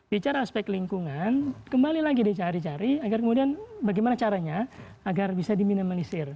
bicara aspek lingkungan kembali lagi dicari cari agar kemudian bagaimana caranya agar bisa diminimalisir